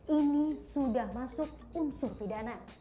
ini sudah masuk unsur pidana